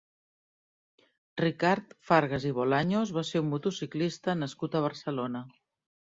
Ricard Fargas i Bolaños va ser un motociclista nascut a Barcelona.